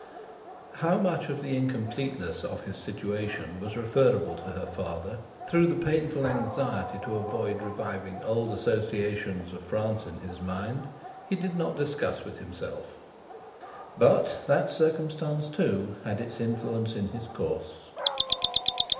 How much of the incompleteness of his situation was referable to her father, through the painful anxiety to avoid reviving old associations of France in his mind, he did not discuss with himself. But, that circumstance too, had had its influence in his course.